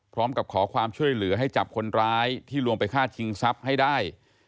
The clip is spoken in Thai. พร้อมกับขอความช่วยเหลือให้จับคนร้ายที่ลวงไปฆ่าชิงทรัพย์ให้ได้